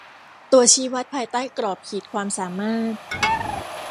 ตัวชี้วัดภายใต้กรอบขีดความสามารถ